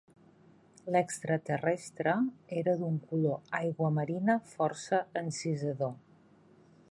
L'extraterrestre era d'un color aiguamarina força encisador.